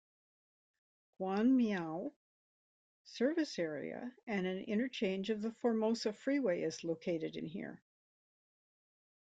Guanmiao Service Area and an interchange of the Formosa Freeway is located in here.